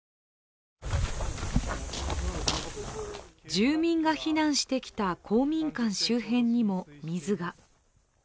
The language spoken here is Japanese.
住民が避難してきた公民館周辺にも水が。